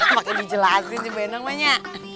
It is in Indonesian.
ah makanya dijelasin bu endang banyak